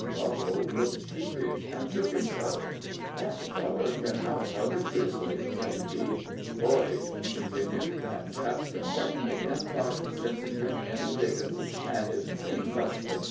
Buffle looked sheepish, and shook himself. "That feller can outhug a grizzly," said he. "Boys," he continued, "that chap's been buckin' agin luck sence he's been in the diggin's, an' is clean busted.